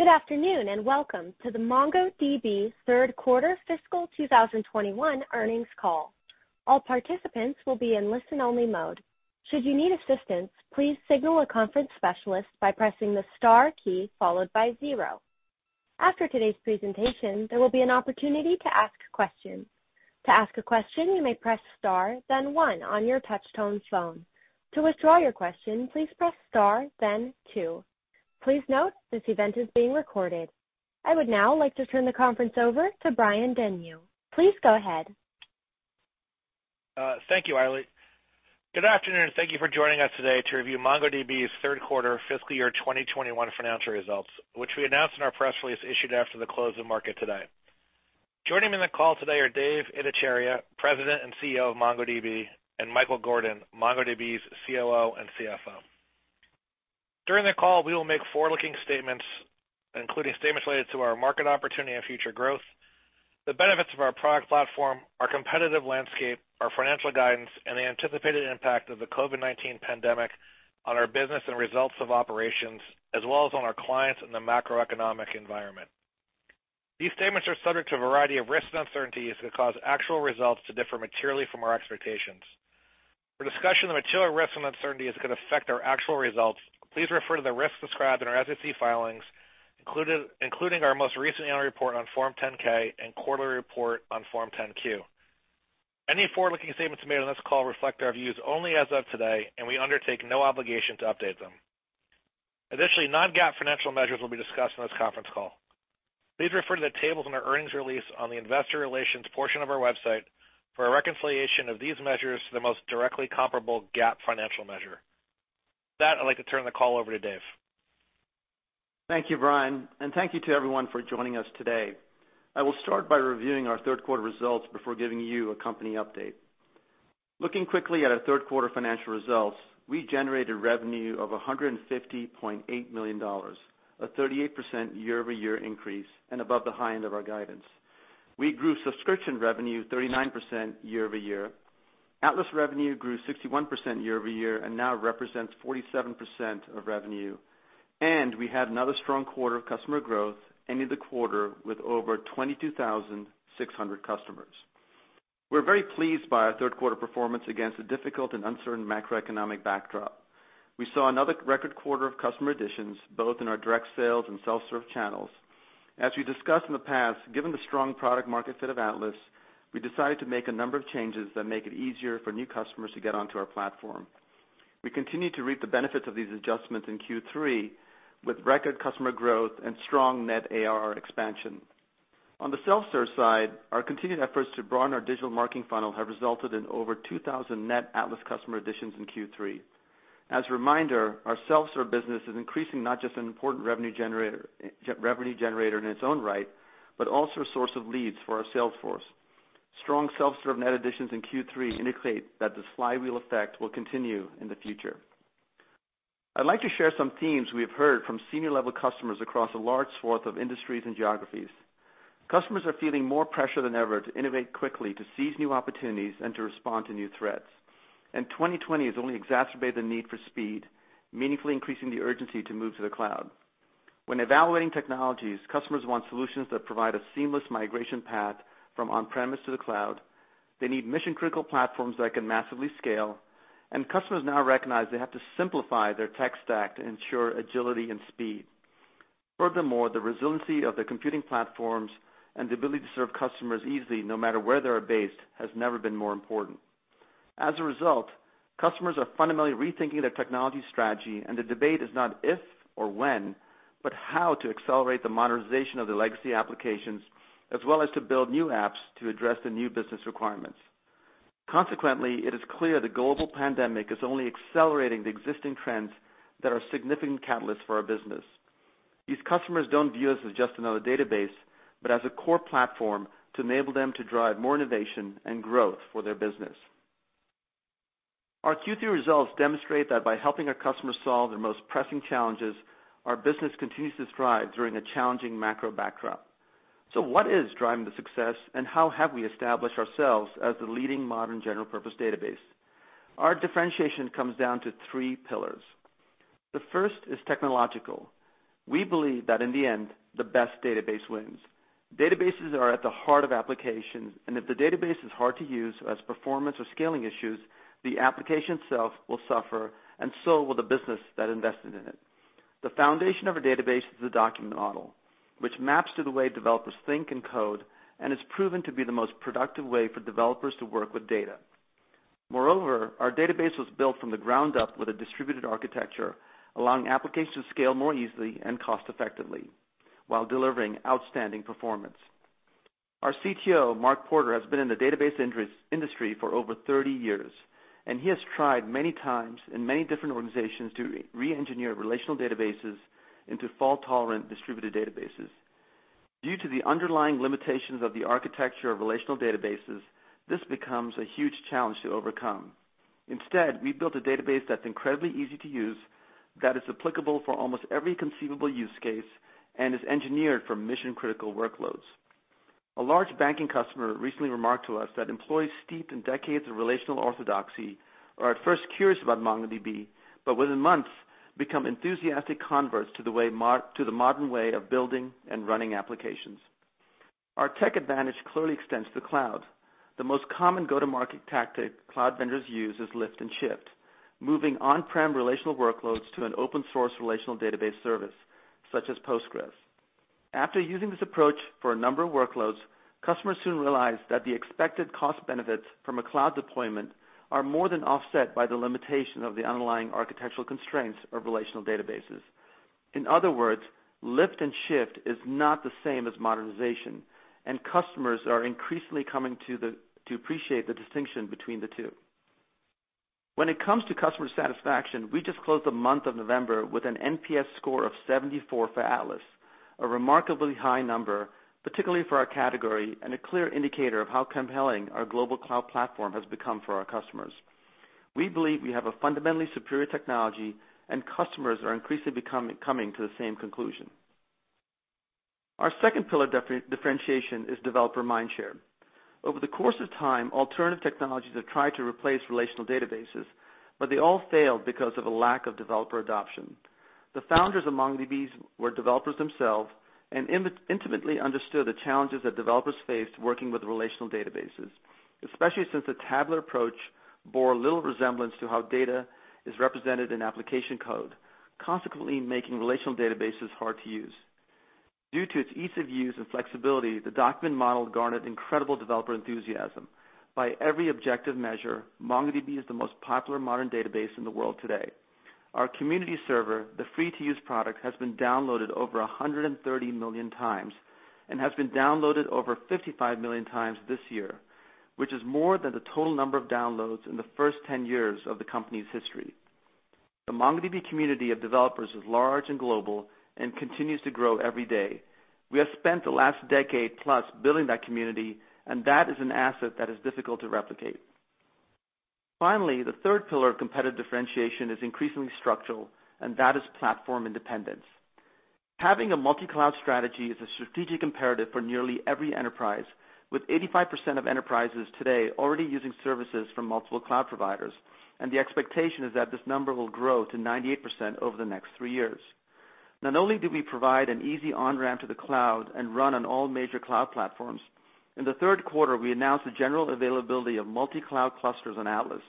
Good afternoon, and welcome to the MongoDB third quarter fiscal 2021 earnings call. All participants will be in listen-only mode. Should you need assistance, please signal a conference specialist by pressing the star key followed by zero. After today's presentation, there will be an opportunity to ask questions. To ask a question, you may press star then one on your touchtone phone. To withdraw your question, please press star then two. Please note this event is being recorded. I would now like to turn the conference over to Brian Denyeau. Please go ahead. Thank you, Eily. Good afternoon. Thank you for joining us today to review MongoDB's third quarter fiscal year 2021 financial results, which we announced in our press release issued after the close of market today. Joining me in the call today are Dev Ittycheria, President and CEO of MongoDB, and Michael Gordon, MongoDB's COO and CFO. During the call, we will make forward-looking statements, including statements related to our market opportunity and future growth, the benefits of our product platform, our competitive landscape, our financial guidance, and the anticipated impact of the COVID-19 pandemic on our business and results of operations, as well as on our clients and the macroeconomic environment. These statements are subject to a variety of risks and uncertainties that cause actual results to differ materially from our expectations. For discussion of the material risks and uncertainties that could affect our actual results, please refer to the risks described in our SEC filings, including our most recent annual report on Form 10-K and quarterly report on Form 10-Q. Any forward-looking statements made on this call reflect our views only as of today, and we undertake no obligation to update them. Additionally, non-GAAP financial measures will be discussed on this conference call. Please refer to the tables in our earnings release on the investor relations portion of our website for a reconciliation of these measures to the most directly comparable GAAP financial measure. With that, I'd like to turn the call over to Dev. Thank you, Brian, and thank you to everyone for joining us today. I will start by reviewing our third quarter results before giving you a company update. Looking quickly at our third quarter financial results, we generated revenue of $150.8 million, a 38% year-over-year increase, and above the high end of our guidance. We grew subscription revenue 39% year-over-year. Atlas revenue grew 61% year-over-year and now represents 47% of revenue. We had another strong quarter of customer growth, ending the quarter with over 22,600 customers. We're very pleased by our third quarter performance against a difficult and uncertain macroeconomic backdrop. We saw another record quarter of customer additions, both in our direct sales and self-serve channels. As we discussed in the past, given the strong product market fit of Atlas, we decided to make a number of changes that make it easier for new customers to get onto our platform. We continue to reap the benefits of these adjustments in Q3 with record customer growth and strong net AR expansion. On the self-serve side, our continued efforts to broaden our digital marketing funnel have resulted in over 2,000 net Atlas customer additions in Q3. As a reminder, our self-serve business is increasing, not just an important revenue generator in its own right, but also a source of leads for our sales force. Strong self-serve net additions in Q3 indicate that the flywheel effect will continue in the future. I'd like to share some themes we have heard from senior-level customers across a large swath of industries and geographies. Customers are feeling more pressure than ever to innovate quickly, to seize new opportunities and to respond to new threats. 2020 has only exacerbated the need for speed, meaningfully increasing the urgency to move to the cloud. When evaluating technologies, customers want solutions that provide a seamless migration path from on-premise to the cloud. They need mission-critical platforms that can massively scale, and customers now recognize they have to simplify their tech stack to ensure agility and speed. Furthermore, the resiliency of their computing platforms and the ability to serve customers easily, no matter where they are based, has never been more important. As a result, customers are fundamentally rethinking their technology strategy, the debate is not if or when, but how to accelerate the modernization of their legacy applications, as well as to build new apps to address the new business requirements. Consequently, it is clear the global pandemic is only accelerating the existing trends that are significant catalysts for our business. These customers don't view us as just another database, but as a core platform to enable them to drive more innovation and growth for their business. Our Q3 results demonstrate that by helping our customers solve their most pressing challenges, our business continues to thrive during a challenging macro backdrop. What is driving the success, and how have we established ourselves as the leading modern general-purpose database? Our differentiation comes down to three pillars. The first is technological. We believe that in the end, the best database wins. Databases are at the heart of applications, and if the database is hard to use, has performance or scaling issues, the application itself will suffer, and so will the business that invested in it. The foundation of a database is the document model, which maps to the way developers think and code and is proven to be the most productive way for developers to work with data. Moreover, our database was built from the ground up with a distributed architecture, allowing applications to scale more easily and cost-effectively while delivering outstanding performance. Our CTO, Mark Porter, has been in the database industry for over 30 years, and he has tried many times in many different organizations to re-engineer relational databases into fault-tolerant distributed databases. Due to the underlying limitations of the architecture of relational databases, this becomes a huge challenge to overcome. Instead, we built a database that's incredibly easy to use, that is applicable for almost every conceivable use case, and is engineered for mission-critical workloads. A large banking customer recently remarked to us that employees steeped in decades of relational orthodoxy are at first curious about MongoDB, but within months, become enthusiastic converts to the modern way of building and running applications. Our tech advantage clearly extends to the cloud. The most common go-to-market tactic cloud vendors use is lift and shift, moving on-prem relational workloads to an open-source relational database service such as PostgreSQL. After using this approach for a number of workloads, customers soon realize that the expected cost benefits from a cloud deployment are more than offset by the limitation of the underlying architectural constraints of relational databases. In other words, lift and shift is not the same as modernization, and customers are increasingly coming to appreciate the distinction between the two. When it comes to customer satisfaction, we just closed the month of November with an NPS score of 74 for Atlas, a remarkably high number, particularly for our category, and a clear indicator of how compelling our global cloud platform has become for our customers. We believe we have a fundamentally superior technology, and customers are increasingly coming to the same conclusion. Our second pillar of differentiation is developer mindshare. Over the course of time, alternative technologies have tried to replace relational databases, but they all failed because of a lack of developer adoption. The founders of MongoDB were developers themselves and intimately understood the challenges that developers faced working with relational databases, especially since the tabular approach bore little resemblance to how data is represented in application code, consequently making relational databases hard to use. Due to its ease of use and flexibility, the document model garnered incredible developer enthusiasm. By every objective measure, MongoDB is the most popular modern database in the world today. Our community server, the free-to-use product, has been downloaded over 130 million times and has been downloaded over 55 million times this year, which is more than the total number of downloads in the first 10 years of the company's history. The MongoDB community of developers is large and global and continues to grow every day. We have spent the last decade-plus building that community, and that is an asset that is difficult to replicate. Finally, the third pillar of competitive differentiation is increasingly structural, and that is platform independence. Having a multi-cloud strategy is a strategic imperative for nearly every enterprise, with 85% of enterprises today already using services from multiple cloud providers, and the expectation is that this number will grow to 98% over the next three years. Not only do we provide an easy on-ramp to the cloud and run on all major cloud platforms, in the third quarter, we announced the general availability of multi-cloud clusters on Atlas,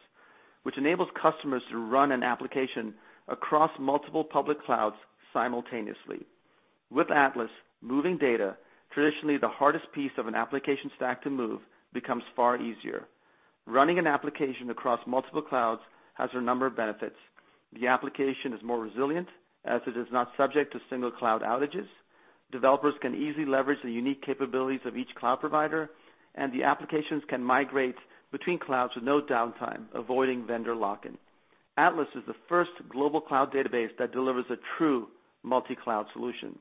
which enables customers to run an application across multiple public clouds simultaneously. With Atlas, moving data, traditionally the hardest piece of an application stack to move, becomes far easier. Running an application across multiple clouds has a number of benefits. The application is more resilient as it is not subject to single cloud outages. Developers can easily leverage the unique capabilities of each cloud provider, and the applications can migrate between clouds with no downtime, avoiding vendor lock-in. Atlas is the first global cloud database that delivers a true multi-cloud solution.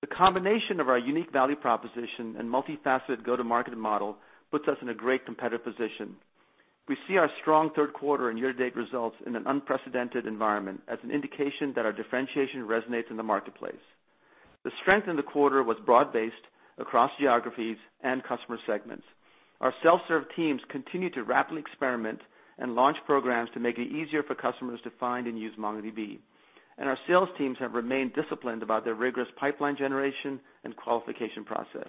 The combination of our unique value proposition and multifaceted go-to-market model puts us in a great competitive position. We see our strong third quarter and year-to-date results in an unprecedented environment as an indication that our differentiation resonates in the marketplace. The strength in the quarter was broad-based across geographies and customer segments. Our self-serve teams continue to rapidly experiment and launch programs to make it easier for customers to find and use MongoDB. Our sales teams have remained disciplined about their rigorous pipeline generation and qualification process.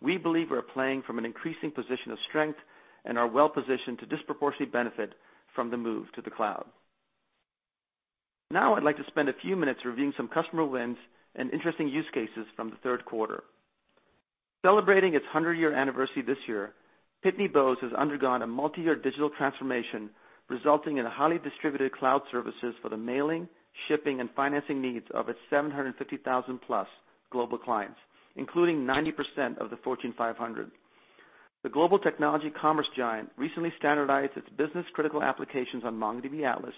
We believe we're playing from an increasing position of strength and are well-positioned to disproportionately benefit from the move to the cloud. Now I'd like to spend a few minutes reviewing some customer wins and interesting use cases from the third quarter. Celebrating its 100-year anniversary this year, Pitney Bowes has undergone a multi-year digital transformation, resulting in highly distributed cloud services for the mailing, shipping, and financing needs of its 750,000+ global clients, including 90% of the Fortune 500. The global technology commerce giant recently standardized its business-critical applications on MongoDB Atlas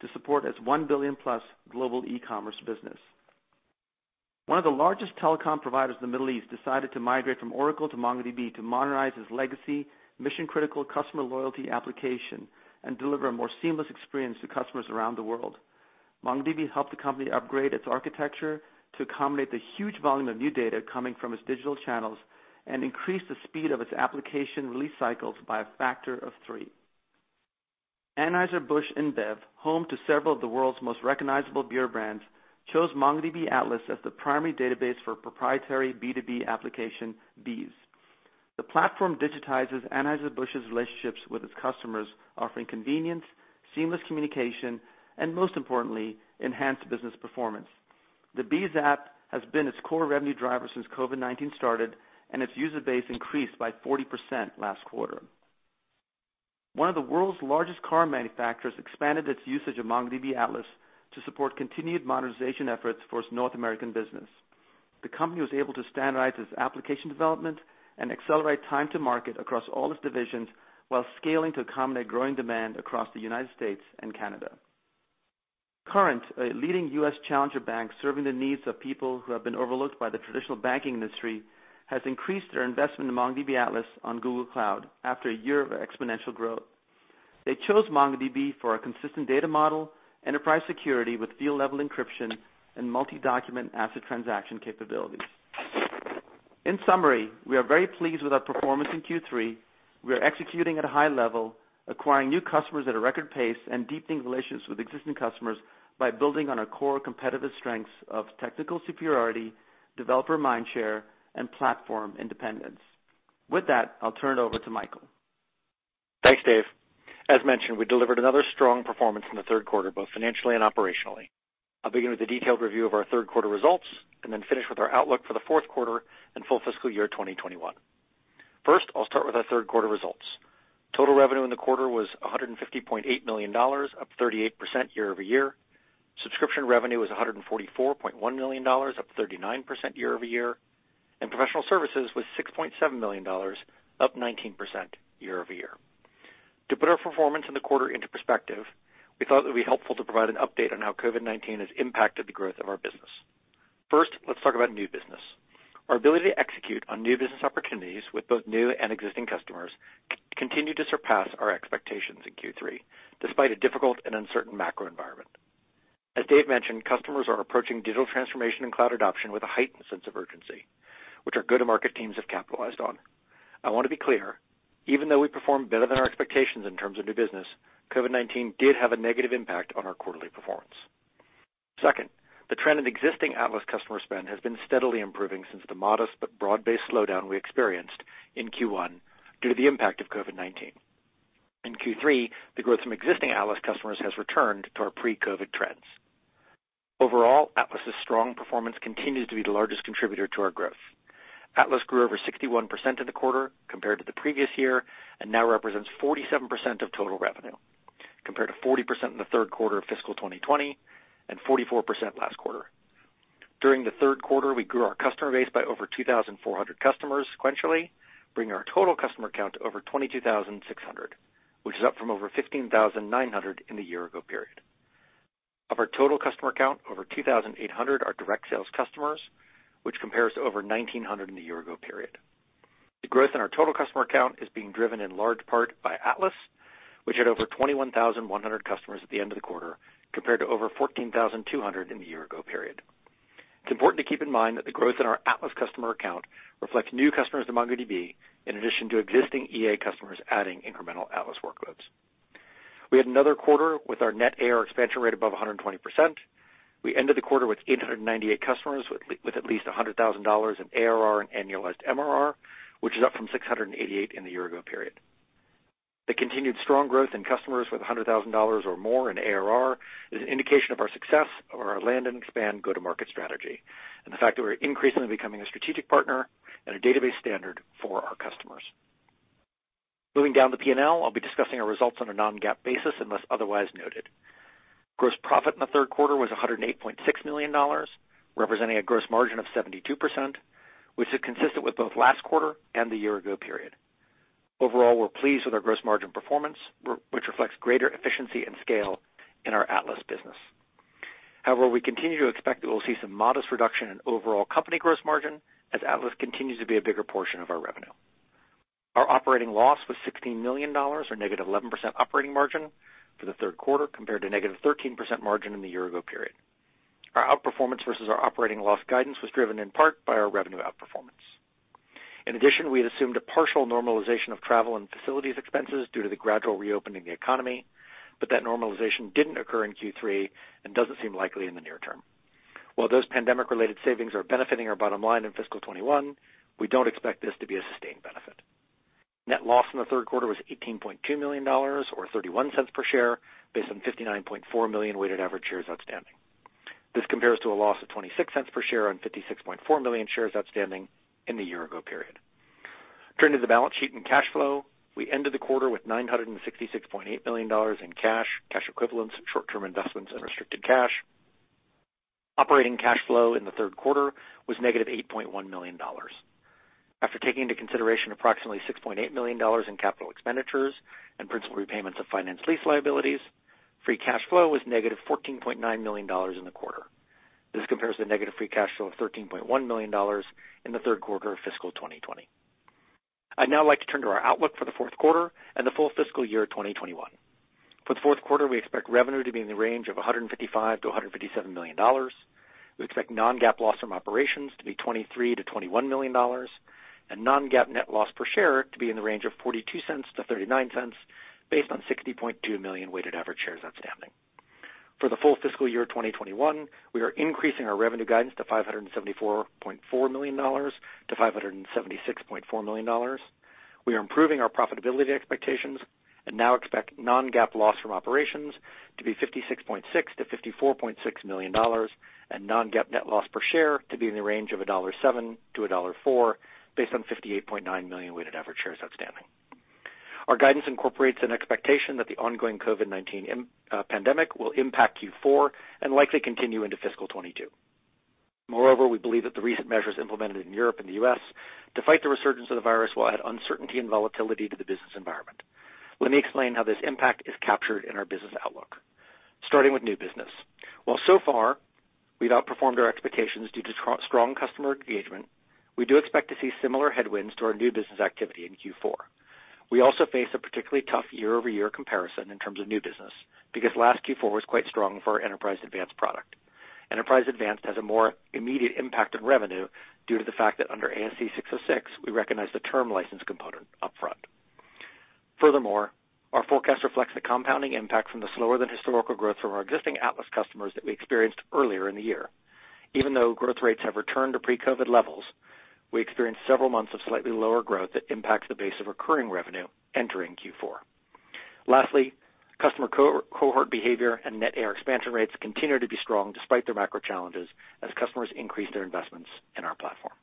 to support its 1 billion+ global e-commerce business. One of the largest telecom providers in the Middle East decided to migrate from Oracle to MongoDB to modernize its legacy mission-critical customer loyalty application and deliver a more seamless experience to customers around the world. MongoDB helped the company upgrade its architecture to accommodate the huge volume of new data coming from its digital channels and increase the speed of its application release cycles by a factor of three. Anheuser-Busch InBev, home to several of the world's most recognizable beer brands, chose MongoDB Atlas as the primary database for proprietary B2B application, BEES. The platform digitizes Anheuser-Busch's relationships with its customers, offering convenience, seamless communication, and most importantly, enhanced business performance. The BEES app has been its core revenue driver since COVID-19 started, and its user base increased by 40% last quarter. One of the world's largest car manufacturers expanded its usage of MongoDB Atlas to support continued modernization efforts for its North American business. The company was able to standardize its application development and accelerate time to market across all its divisions while scaling to accommodate growing demand across the U.S. and Canada. Current, a leading U.S. challenger bank serving the needs of people who have been overlooked by the traditional banking industry, has increased their investment in MongoDB Atlas on Google Cloud after a year of exponential growth. They chose MongoDB for our consistent data model, enterprise security with field-level encryption, and multi-document ACID transaction capabilities. In summary, we are very pleased with our performance in Q3. We are executing at a high level, acquiring new customers at a record pace, and deepening relations with existing customers by building on our core competitive strengths of technical superiority, developer mind share, and platform independence. With that, I'll turn it over to Michael. Thanks, Dev. As mentioned, we delivered another strong performance in the third quarter, both financially and operationally. I'll begin with a detailed review of our third quarter results and then finish with our outlook for the fourth quarter and full fiscal year 2021. First, I'll start with our third quarter results. Total revenue in the quarter was $150.8 million, up 38% year-over-year. Subscription revenue was $144.1 million, up 39% year-over-year. Professional services was $6.7 million, up 19% year-over-year. To put our performance in the quarter into perspective, we thought it would be helpful to provide an update on how COVID-19 has impacted the growth of our business. First, let's talk about new business. Our ability to execute on new business opportunities with both new and existing customers continued to surpass our expectations in Q3, despite a difficult and uncertain macro environment. As Dev mentioned, customers are approaching digital transformation and cloud adoption with a heightened sense of urgency, which our go-to-market teams have capitalized on. I want to be clear, even though we performed better than our expectations in terms of new business, COVID-19 did have a negative impact on our quarterly performance. Second, the trend in existing Atlas customer spend has been steadily improving since the modest but broad-based slowdown we experienced in Q1 due to the impact of COVID-19. In Q3, the growth from existing Atlas customers has returned to our pre-COVID trends. Overall, Atlas's strong performance continues to be the largest contributor to our growth. Atlas grew over 61% in the quarter compared to the previous year and now represents 47% of total revenue, compared to 40% in the third quarter of fiscal 2020 and 44% last quarter. During the third quarter, we grew our customer base by over 2,400 customers sequentially, bringing our total customer count to over 22,600, which is up from over 15,900 in the year-ago period. Of our total customer count, over 2,800 are direct sales customers, which compares to over 1,900 in the year-ago period. The growth in our total customer count is being driven in large part by Atlas, which had over 21,100 customers at the end of the quarter, compared to over 14,200 in the year-ago period. It's important to keep in mind that the growth in our Atlas customer account reflects new customers to MongoDB, in addition to existing EA customers adding incremental Atlas workloads. We had another quarter with our net AR expansion rate above 120%. We ended the quarter with 898 customers with at least $100,000 in ARR and annualized MRR, which is up from 688 in the year-ago period. The continued strong growth in customers with $100,000 or more in ARR is an indication of our success of our land and expand go-to-market strategy, and the fact that we're increasingly becoming a strategic partner and a database standard for our customers. Moving down the P&L, I'll be discussing our results on a non-GAAP basis unless otherwise noted. Gross profit in the third quarter was $108.6 million, representing a gross margin of 72%, which is consistent with both last quarter and the year-ago period. Overall, we're pleased with our gross margin performance, which reflects greater efficiency and scale in our Atlas business. We continue to expect that we'll see some modest reduction in overall company gross margin as Atlas continues to be a bigger portion of our revenue. Our operating loss was $16 million, or -11% operating margin for the third quarter, compared to -13% margin in the year-ago period. Our outperformance versus our operating loss guidance was driven in part by our revenue outperformance. We had assumed a partial normalization of travel and facilities expenses due to the gradual reopening of the economy, but that normalization didn't occur in Q3 and doesn't seem likely in the near term. While those pandemic-related savings are benefiting our bottom line in fiscal 2021, we don't expect this to be a sustained benefit. Net loss in the third quarter was $18.2 million or $0.31 per share based on 59.4 million weighted average shares outstanding. This compares to a loss of $0.26 per share on 56.4 million shares outstanding in the year-ago period. Turning to the balance sheet and cash flow, we ended the quarter with $966.8 million in cash equivalents, short-term investments, and restricted cash. Operating cash flow in the third quarter was -$8.1 million. After taking into consideration approximately $6.8 million in capital expenditures and principal repayments of finance lease liabilities, free cash flow was -$14.9 million in the quarter. This compares to negative free cash flow of $13.1 million in the third quarter of fiscal 2020. I'd now like to turn to our outlook for the fourth quarter and the full fiscal year 2021. For the fourth quarter, we expect revenue to be in the range of $155 million-$157 million. We expect non-GAAP loss from operations to be $23 million-$21 million, and non-GAAP net loss per share to be in the range of $0.42-$0.39 based on 60.2 million weighted average shares outstanding. For the full fiscal year 2021, we are increasing our revenue guidance to $574.4 million-$576.4 million. We are improving our profitability expectations and now expect non-GAAP loss from operations to be $56.6 million-$54.6 million and non-GAAP net loss per share to be in the range of $1.07-$1.04 based on 58.9 million weighted average shares outstanding. Our guidance incorporates an expectation that the ongoing COVID-19 pandemic will impact Q4 and likely continue into fiscal 2022. We believe that the recent measures implemented in Europe and the U.S. to fight the resurgence of the virus will add uncertainty and volatility to the business environment. Let me explain how this impact is captured in our business outlook. Starting with new business. While so far we've outperformed our expectations due to strong customer engagement, we do expect to see similar headwinds to our new business activity in Q4. We also face a particularly tough year-over-year comparison in terms of new business, because last Q4 was quite strong for our Enterprise Advanced product. Enterprise Advanced has a more immediate impact on revenue due to the fact that under ASC 606, we recognize the term license component upfront. Furthermore, our forecast reflects the compounding impact from the slower than historical growth from our existing Atlas customers that we experienced earlier in the year. Even though growth rates have returned to pre-COVID levels, we experienced several months of slightly lower growth that impacts the base of recurring revenue entering Q4. Lastly, customer cohort behavior and net AR expansion rates continue to be strong despite the macro challenges as customers increase their investments in our platform.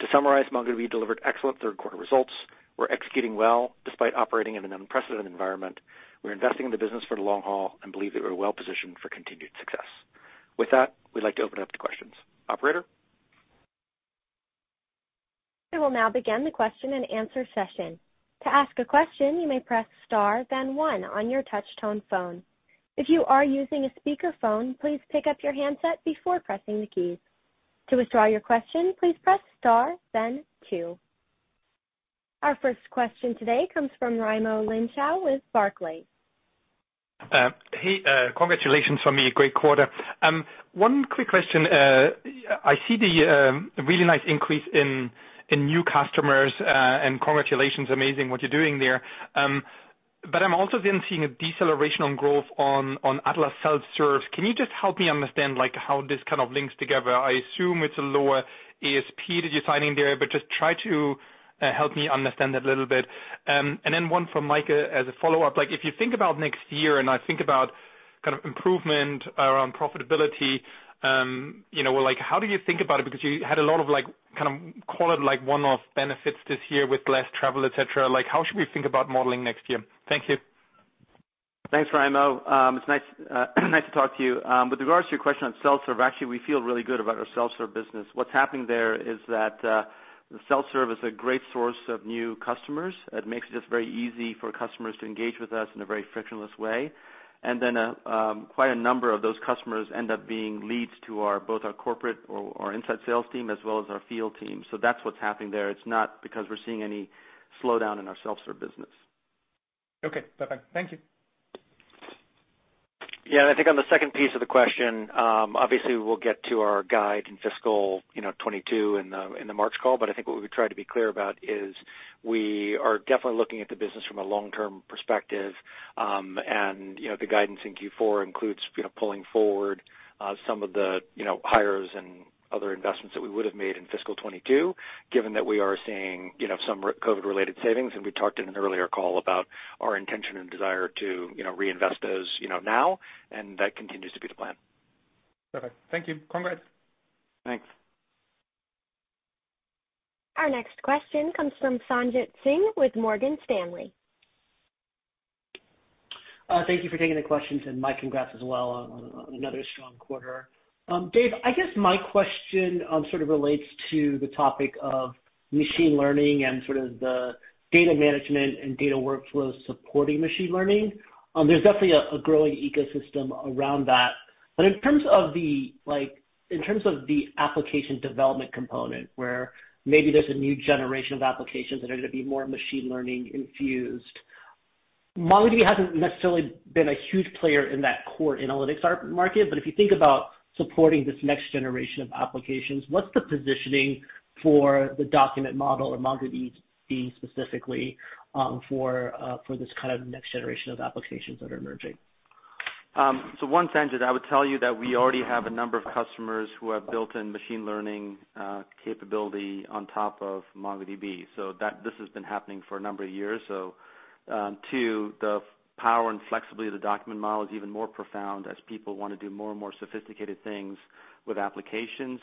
To summarize, MongoDB delivered excellent third quarter results. We're executing well despite operating in an unprecedented environment. We're investing in the business for the long haul and believe that we're well-positioned for continued success. With that, we'd like to open up to questions. Operator? We will now begin the question-and-answer session. Our first question today comes from Raimo Lenschow with Barclays. Hey, congratulations from me. Great quarter. One quick question. I see the really nice increase in new customers. Congratulations, amazing what you're doing there. I'm also then seeing a deceleration on growth on Atlas self-serve. Can you just help me understand how this kind of links together? I assume it's a lower ASP that you're signing there. Just try to help me understand that a little bit. Then one for Michael as a follow-up. If you think about next year and I think about improvement around profitability, how do you think about it? Because you had a lot of call it one-off benefits this year with less travel, et cetera. How should we think about modeling next year? Thank you. Thanks, Raimo. It's nice to talk to you. With regards to your question on self-serve, actually, we feel really good about our self-serve business. What's happening there is that the self-serve is a great source of new customers. It makes it just very easy for customers to engage with us in a very frictionless way. Quite a number of those customers end up being leads to both our corporate or our inside sales team as well as our field team. That's what's happening there. It's not because we're seeing any slowdown in our self-serve business. Okay, perfect. Thank you. I think on the second piece of the question, obviously we'll get to our guide in fiscal 2022 in the March call, but I think what we would try to be clear about is we are definitely looking at the business from a long-term perspective. The guidance in Q4 includes pulling forward some of the hires and other investments that we would've made in fiscal 2022, given that we are seeing some COVID-related savings. We talked in an earlier call about our intention and desire to reinvest those now, and that continues to be the plan. Perfect. Thank you. Congrats. Thanks. Our next question comes from Sanjit Singh with Morgan Stanley. Thank you for taking the questions, and Mike, congrats as well on another strong quarter. Dev, I guess my question sort of relates to the topic of machine learning and sort of the data management and data workflow supporting machine learning. There's definitely a growing ecosystem around that. In terms of the application development component, where maybe there's a new generation of applications that are going to be more machine learning infused, MongoDB hasn't necessarily been a huge player in that core analytics market. If you think about supporting this next generation of applications, what's the positioning for the document model or MongoDB specifically, for this kind of next generation of applications that are emerging? One, Sanjit, I would tell you that we already have a number of customers who have built in machine learning capability on top of MongoDB. This has been happening for a number of years. Two, the power and flexibility of the document model is even more profound as people want to do more and more sophisticated things with applications.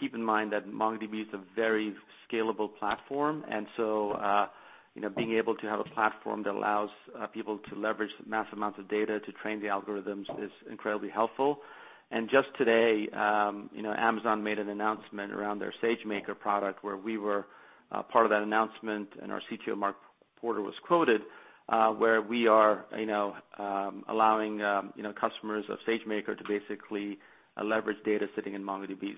Keep in mind that MongoDB is a very scalable platform, being able to have a platform that allows people to leverage mass amounts of data to train the algorithms is incredibly helpful. Just today, Amazon made an announcement around their SageMaker product where we were part of that announcement and our CTO, Mark Porter, was quoted, where we are allowing customers of SageMaker to basically leverage data sitting in MongoDB.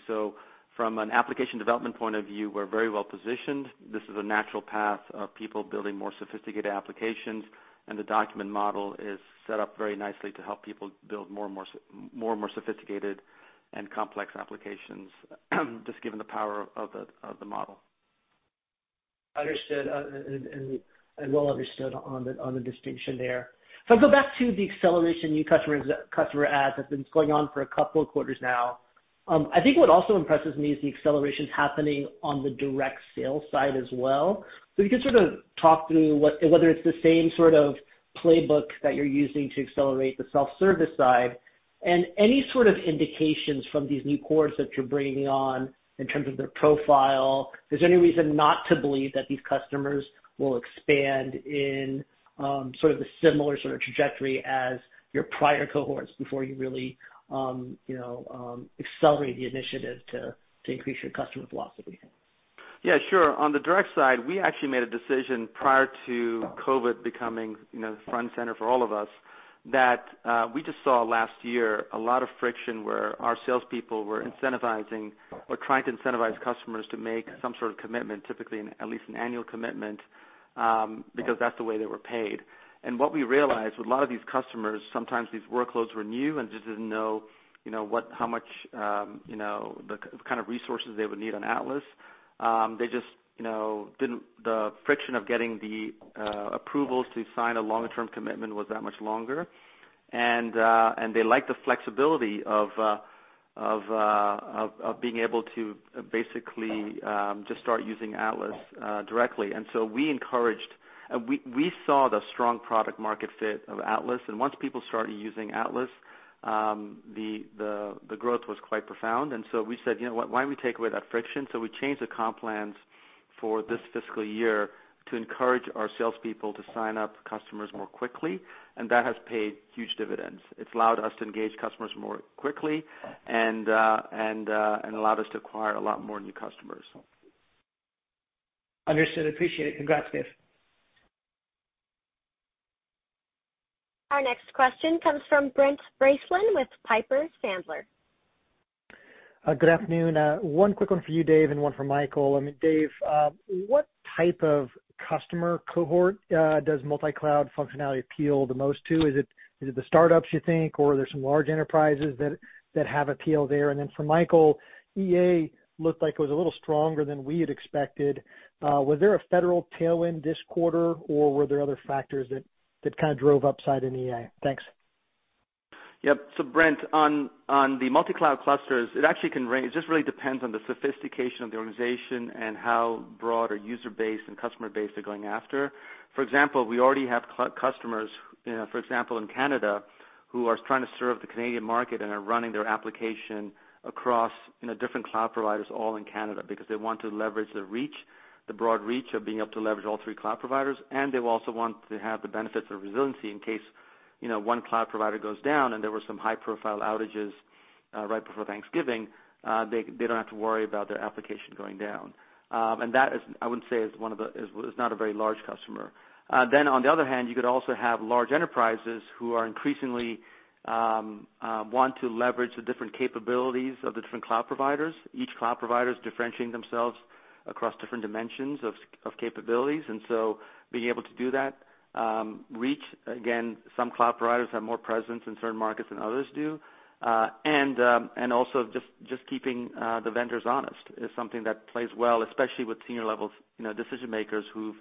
From an application development point of view, we're very well-positioned. This is a natural path of people building more sophisticated applications, and the document model is set up very nicely to help people build more and more sophisticated and complex applications just given the power of the model. Understood, well understood on the distinction there. I'll go back to the acceleration new customer adds that's been going on for a couple of quarters now. I think what also impresses me is the acceleration happening on the direct sales side as well. If you could sort of talk through whether it's the same sort of playbook that you're using to accelerate the self-service side, and any sort of indications from these new cohorts that you're bringing on in terms of their profile. Is there any reason not to believe that these customers will expand in sort of the similar sort of trajectory as your prior cohorts before you really accelerate the initiative to increase your customer velocity? Yeah, sure. On the direct side, we actually made a decision prior to COVID becoming front and center for all of us, that we just saw last year a lot of friction where our salespeople were incentivizing or trying to incentivize customers to make some sort of commitment, typically at least an annual commitment, because that's the way they were paid. What we realized with a lot of these customers, sometimes these workloads were new and just didn't know the kind of resources they would need on Atlas. The friction of getting the approvals to sign a longer-term commitment was that much longer. They liked the flexibility of being able to basically just start using Atlas directly. We saw the strong product market fit of Atlas, and once people started using Atlas, the growth was quite profound. We said, "Why don't we take away that friction?" We changed the comp plans for this fiscal year to encourage our salespeople to sign up customers more quickly, and that has paid huge dividends. It's allowed us to engage customers more quickly and allowed us to acquire a lot more new customers. Understood. Appreciate it. Congrats, Dev. Our next question comes from Brent Bracelin with Piper Sandler. Good afternoon. One quick one for you, Dev, and one for Michael. Dev, what type of customer cohort does multi-cloud functionality appeal the most to? Is it the startups, you think, or are there some large enterprises that have appeal there? For Michael, EA looked like it was a little stronger than we had expected. Was there a federal tailwind this quarter, or were there other factors that drove upside in EA? Thanks. Yep. Brent, on the multi-cloud clusters, it actually can range. It just really depends on the sophistication of the organization and how broad a user base and customer base they're going after. For example, we already have customers, for example, in Canada, who are trying to serve the Canadian market and are running their application across different cloud providers all in Canada because they want to leverage the broad reach of being able to leverage all three cloud providers, and they also want to have the benefits of resiliency in case one cloud provider goes down, and there were some high-profile outages right before Thanksgiving. They don't have to worry about their application going down. That is, I wouldn't say, is not a very large customer. On the other hand, you could also have large enterprises who are increasingly want to leverage the different capabilities of the different cloud providers. Each cloud provider is differentiating themselves across different dimensions of capabilities, being able to do that reach. Again, some cloud providers have more presence in certain markets than others do. Also just keeping the vendors honest is something that plays well, especially with senior-level decision-makers who've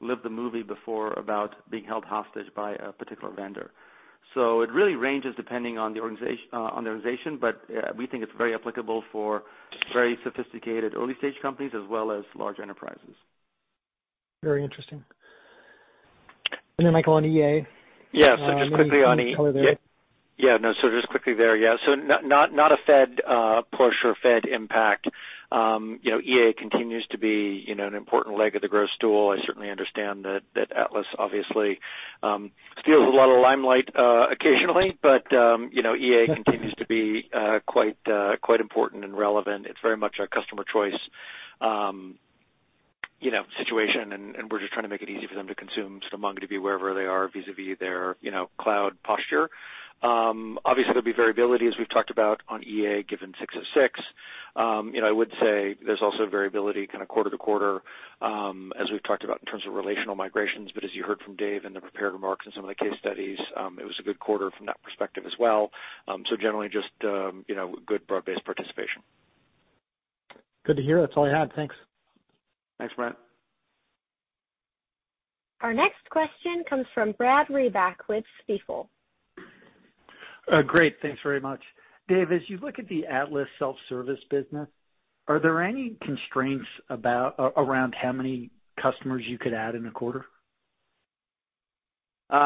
lived the movie before about being held hostage by a particular vendor. It really ranges depending on the organization, but we think it's very applicable for very sophisticated early-stage companies as well as large enterprises. Very interesting. Michael on EA? Yeah. just quickly on EA. No. Just quickly there. Not a Fed push or Fed impact. EA continues to be an important leg of the growth stool. I certainly understand that Atlas obviously steals a lot of limelight occasionally, but EA continues to be quite important and relevant. It's very much a customer choice situation, and we're just trying to make it easy for them to consume some MongoDB wherever they are vis-a-vis their cloud posture. Obviously, there'll be variability, as we've talked about on EA, given 606. I would say there's also variability kind of quarter-to-quarter, as we've talked about in terms of relational migrations. As you heard from Dev in the prepared remarks and some of the case studies, it was a good quarter from that perspective as well. Generally just good broad-based participation. Good to hear. That's all I had. Thanks. Thanks, Brent. Our next question comes from Brad Reback with Stifel. Great. Thanks very much. Dev, as you look at the Atlas self-service business, are there any constraints around how many customers you could add in a quarter? There's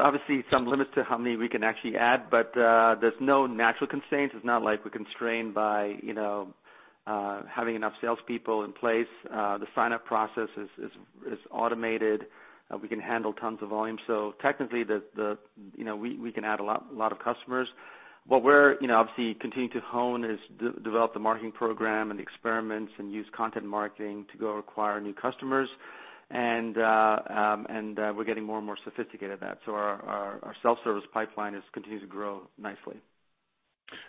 obviously some limits to how many we can actually add, but there's no natural constraints. It's not like we're constrained by having enough salespeople in place. The sign-up process is automated. We can handle tons of volume. Technically, we can add a lot of customers. What we're obviously continuing to hone is develop the marketing program and experiments and use content marketing to go acquire new customers. We're getting more and more sophisticated at that. Our self-service pipeline continues to grow nicely.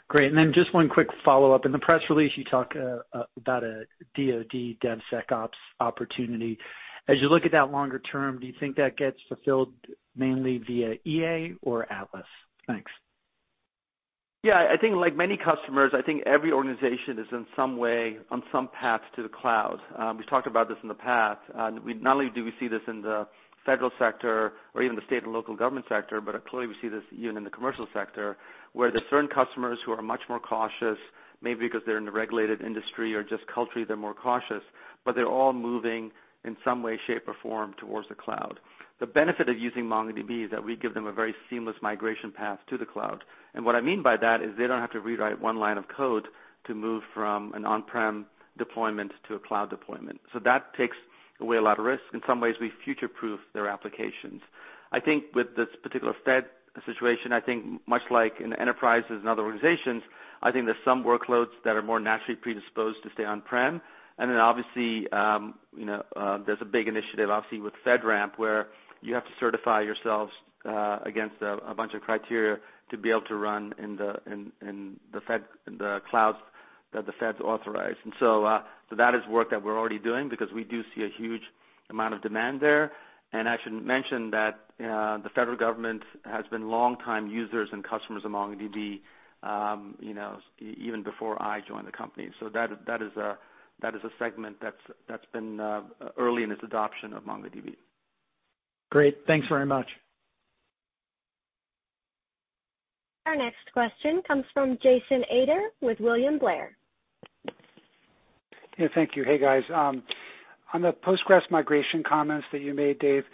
Great. Just one quick follow-up. In the press release, you talk about a DoD DevSecOps opportunity. As you look at that longer term, do you think that gets fulfilled mainly via EA or Atlas? Thanks. Yeah, I think like many customers, I think every organization is in some way on some path to the cloud. We've talked about this in the past. Not only do we see this in the federal sector or even the state and local government sector, but clearly we see this even in the commercial sector, where there are certain customers who are much more cautious, maybe because they're in a regulated industry or just culturally they're more cautious, but they're all moving in some way, shape, or form towards the cloud. The benefit of using MongoDB is that we give them a very seamless migration path to the cloud. What I mean by that is they don't have to rewrite one line of code to move from an on-prem deployment to a cloud deployment. That takes away a lot of risk. In some ways, we future proof their applications. I think with this particular Fed situation, I think much like in enterprises and other organizations, I think there's some workloads that are more naturally predisposed to stay on-prem. Then obviously, there's a big initiative obviously with FedRAMP, where you have to certify yourselves against a bunch of criteria to be able to run in the clouds that the feds authorize. So that is work that we're already doing because we do see a huge amount of demand there. I should mention that the federal government has been long-time users and customers of MongoDB, even before I joined the company. That is a segment that's been early in its adoption of MongoDB. Great. Thanks very much. Our next question comes from Jason Ader with William Blair. Yeah, thank you. Hey, guys. On the PostgreSQL migration comments that you made, Dev,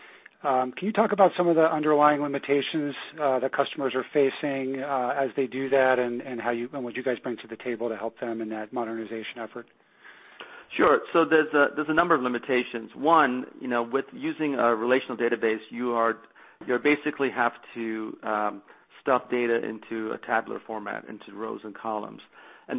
can you talk about some of the underlying limitations that customers are facing as they do that, and what you guys bring to the table to help them in that modernization effort? Sure. There's a number of limitations. One, with using a relational database, you basically have to stuff data into a tabular format, into rows and columns.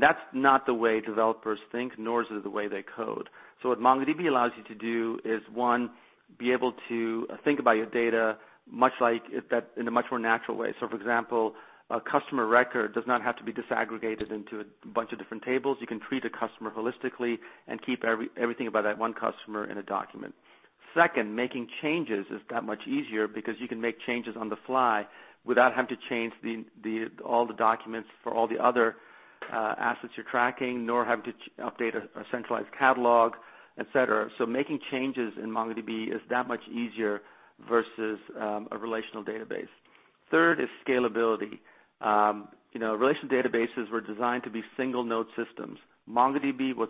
That's not the way developers think, nor is it the way they code. What MongoDB allows you to do is, one, be able to think about your data in a much more natural way. For example, a customer record does not have to be disaggregated into a bunch of different tables. You can treat a customer holistically and keep everything about that one customer in a document. Second, making changes is that much easier because you can make changes on the fly without having to change all the documents for all the other assets you're tracking, nor have to update a centralized catalog, et cetera. Making changes in MongoDB is that much easier versus a relational database. Third is scalability. Relational databases were designed to be single-node systems. MongoDB was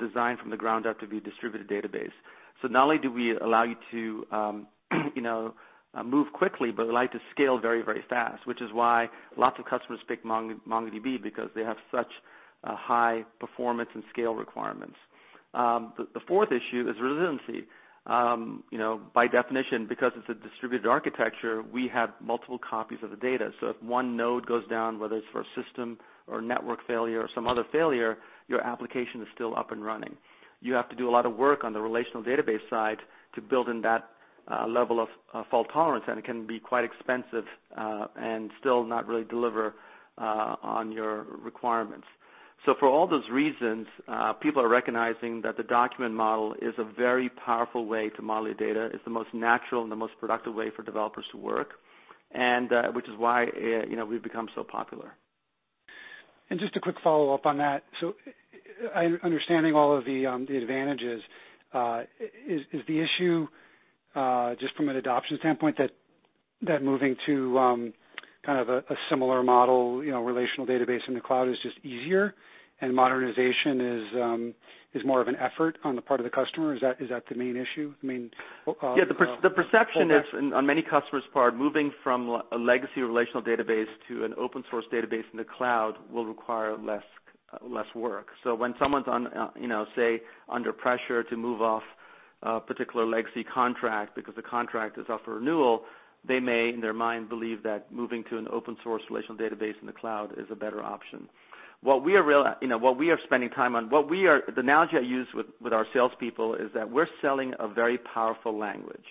designed from the ground up to be a distributed database. Not only do we allow you to move quickly, but allow you to scale very, very fast, which is why lots of customers pick MongoDB, because they have such high performance and scale requirements. The fourth issue is resiliency. By definition, because it's a distributed architecture, we have multiple copies of the data. If one node goes down, whether it's for a system or network failure or some other failure, your application is still up and running. You have to do a lot of work on the relational database side to build in that level of fault tolerance, and it can be quite expensive and still not really deliver on your requirements. For all those reasons, people are recognizing that the document model is a very powerful way to model your data. It's the most natural and the most productive way for developers to work, which is why we've become so popular. Just a quick follow-up on that. Understanding all of the advantages, is the issue just from an adoption standpoint that moving to a similar model, relational database in the cloud is just easier and modernization is more of an effort on the part of the customer? Is that the main issue? The perception is on many customers' part, moving from a legacy relational database to an open source database in the cloud will require less work. When someone's, say, under pressure to move off a particular legacy contract because the contract is up for renewal, they may, in their mind, believe that moving to an open-source relational database in the cloud is a better option. What we are spending time on—the analogy I use with our salespeople is that we're selling a very powerful language.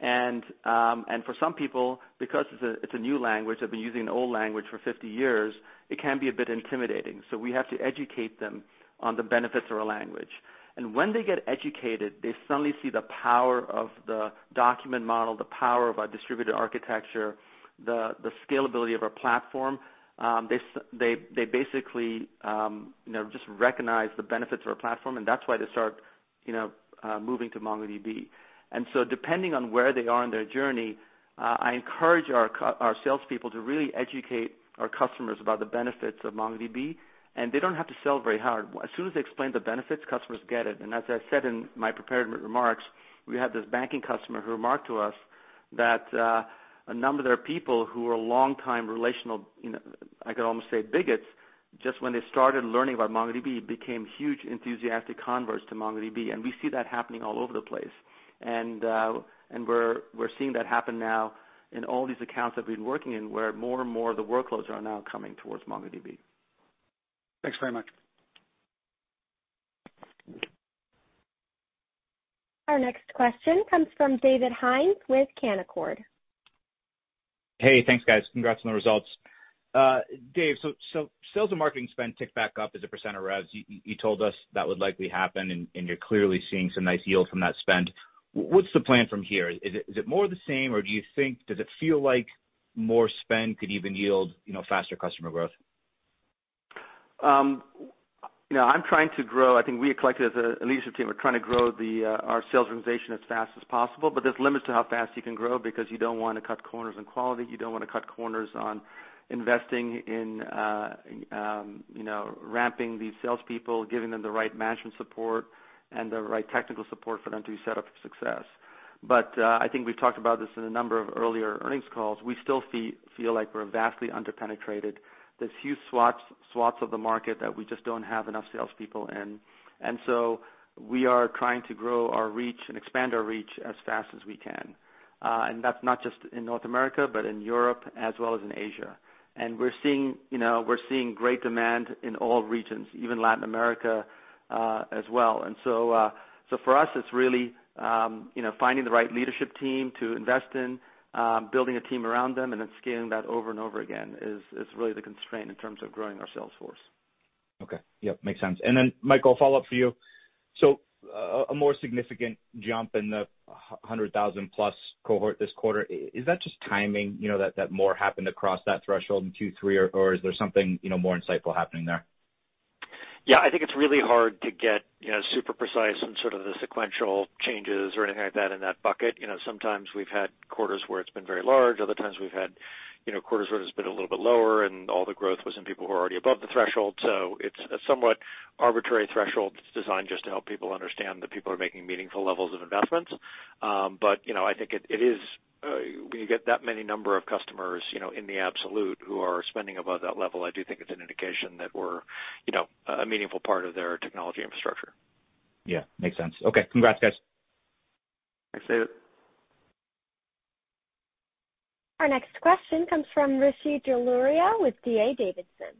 For some people, because it's a new language, they've been using an old language for 50 years, it can be a bit intimidating. We have to educate them on the benefits of a language. When they get educated, they suddenly see the power of the document model, the power of our distributed architecture, the scalability of our platform. They basically just recognize the benefits of our platform. That's why they start moving to MongoDB. Depending on where they are in their journey, I encourage our salespeople to really educate our customers about the benefits of MongoDB. They don't have to sell very hard. As soon as they explain the benefits, customers get it. As I said in my prepared remarks, we had this banking customer who remarked to us that a number of their people who were long-time relational, I could almost say bigots, just when they started learning about MongoDB, became huge enthusiastic converts to MongoDB. We see that happening all over the place. We're seeing that happen now in all these accounts that we've been working in, where more and more of the workloads are now coming towards MongoDB. Thanks very much. Our next question comes from David Hynes with Canaccord. Hey, thanks, guys. Congrats on the results. Dev, sales and marketing spend ticked back up as a percent of revs. You told us that would likely happen, and you're clearly seeing some nice yield from that spend. What's the plan from here? Is it more of the same, or does it feel like more spend could even yield faster customer growth? I'm trying to grow. I think we, collectively as a leadership team, are trying to grow our sales organization as fast as possible. There's limits to how fast you can grow because you don't want to cut corners on quality. You don't want to cut corners on investing in ramping these salespeople, giving them the right management support and the right technical support for them to be set up for success. I think we've talked about this in a number of earlier earnings calls. We still feel like we're vastly under-penetrated. There's huge swaths of the market that we just don't have enough salespeople in. We are trying to grow our reach and expand our reach as fast as we can. That's not just in North America, but in Europe as well as in Asia. We're seeing great demand in all regions, even Latin America as well. For us, it's really finding the right leadership team to invest in, building a team around them, and then scaling that over and over again is really the constraint in terms of growing our sales force. Okay. Yep, makes sense. Michael, a follow-up for you. A more significant jump in the 100,000+ cohort this quarter. Is that just timing, that more happened across that threshold in Q3, or is there something more insightful happening there? I think it's really hard to get super precise on sort of the sequential changes or anything like that in that bucket. Sometimes we've had quarters where it's been very large. Other times we've had quarters where it's been a little bit lower, and all the growth was in people who are already above the threshold. It's a somewhat arbitrary threshold that's designed just to help people understand that people are making meaningful levels of investments. I think when you get that many number of customers in the absolute who are spending above that level, I do think it's an indication that we're a meaningful part of their technology infrastructure. Yeah, makes sense. Okay. Congrats, guys. Thanks, David. Our next question comes from Rishi Jaluria with D.A. Davidson.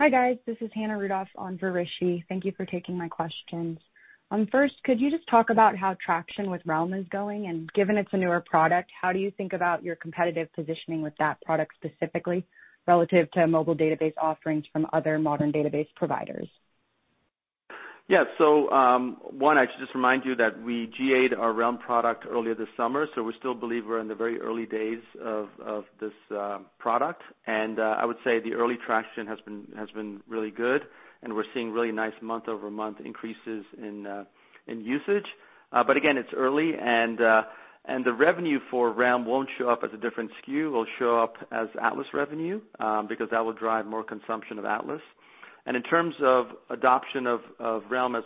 Hi, guys. This is Hannah Rudoff on for Rishi. Thank you for taking my questions. First, could you just talk about how traction with Realm is going? Given it's a newer product, how do you think about your competitive positioning with that product specifically relative to mobile database offerings from other modern database providers? Yeah. One, I should just remind you that we GA'd our Realm product earlier this summer, we still believe we're in the very early days of this product. I would say the early traction has been really good, and we're seeing really nice month-over-month increases in usage. Again, it's early, and the revenue for Realm won't show up as a different SKU. It'll show up as Atlas revenue because that will drive more consumption of Atlas. In terms of adoption of Realm as